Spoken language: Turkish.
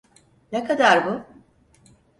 Ne kadar bu?